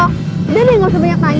udah deh gak usah banyak tanya